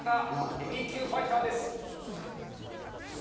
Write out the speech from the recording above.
ヘビー級ファイターです。